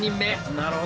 なるほど。